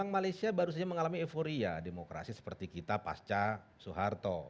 malaysia baru saja mengalami euforia demokrasi seperti kita pasca soeharto